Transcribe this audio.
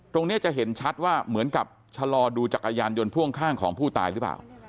ตรงนี้จะเห็นชัดว่าเหมือนกับชะลอดูจักรยานยนต์พ่วงข้างของผู้ตายหรือเปล่า